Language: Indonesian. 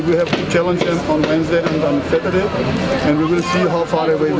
kita harus mencoba mereka pada hari kedai dan hari kedai